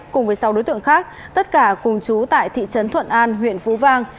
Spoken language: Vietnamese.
cùng với sáu đối tượng khác tất cả cùng chú tại thị trấn thuận an huyện phú vang